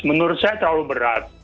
menurut saya terlalu berat